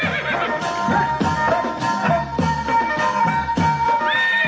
สวัสดีครับ